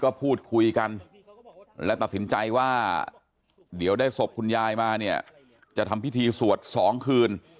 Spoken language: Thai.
ก็พูดคุยกันและตัดสินใจว่าเดี๋ยวได้ศพคุณยายมาเนี่ยจะทำพิธีสวด๒คืน